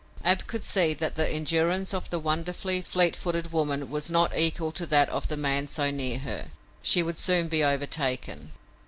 Ab could see that the endurance of the wonderfully fleet footed woman was not equal to that of the man so near her. She would soon be overtaken.